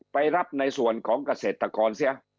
ไปรับในส่วนของเกษตรกรเสีย